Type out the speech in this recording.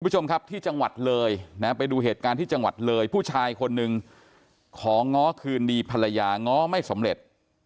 คุณผู้ชมครับที่จังหวัดเลยนะไปดูเหตุการณ์ที่จังหวัดเลยผู้ชายคนหนึ่งของง้อคืนดีภรรยาง้อไม่สำเร็จ